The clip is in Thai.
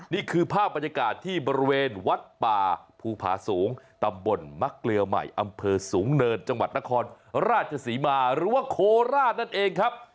นี่คือภาพบรรยากาศที่บริเวณวัดป่าภูผาสูงตำบลมักเกลือใหม่อำเภอสูงเนินจังหวัดนครราชศรีมาหรือว่าโคราชนั่นเองครับ